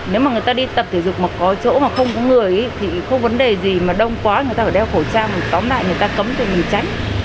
nếu mà người ta đi tập thể dục mà có chỗ mà không có người thì không vấn đề gì mà đông quá người ta phải đeo khẩu trang mình tóm lại người ta cấm thì mình tránh